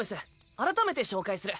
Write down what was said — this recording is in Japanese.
改めて紹介する。